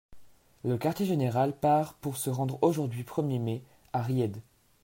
Le quartier-général part pour se rendre aujourd'hui premier mai, à Ried.